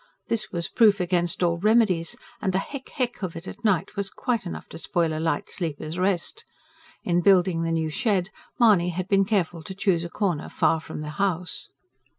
This was proof against all remedies, and the heck heck of it at night was quite enough to spoil a light sleeper's rest. In building the new shed, Mahony had been careful to choose a corner far from the house.